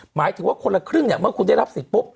หมายถึงว่าคนละครึ่งเนี่ยเมื่อคุณได้รับสิทธิปุ๊บ